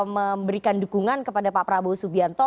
memberikan dukungan kepada pak prabowo subianto